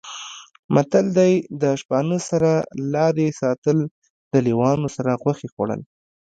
متل دی: د شپانه سره لارې ساتل، له لېوانو سره غوښې خوړل